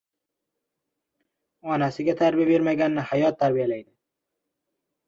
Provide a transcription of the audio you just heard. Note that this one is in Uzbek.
• Onasiga tarbiya bermaganni hayot tarbiyalaydi.